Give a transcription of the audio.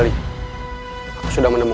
kita akan mencoba untuk mencoba